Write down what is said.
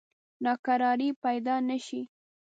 ناکراری پیدا نه شي.